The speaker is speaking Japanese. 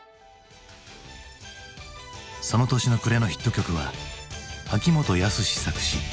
その年の暮れのヒット曲は秋元康作詞。